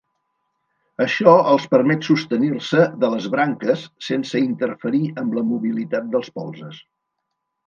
Això els permet sostenir-se de les branques sense interferir amb la mobilitat dels polzes.